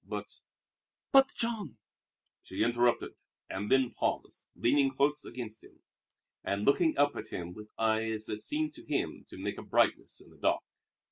But " "But, Jean " she interrupted, and then paused, leaning close against him, and looking up at him with eyes that seemed to him to make a brightness in the dark.